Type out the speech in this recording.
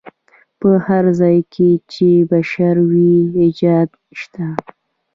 په هر ځای کې چې بشر وي ایجاد شته.